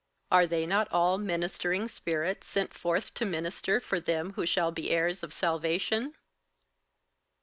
58:001:014 Are they not all ministering spirits, sent forth to minister for them who shall be heirs of salvation?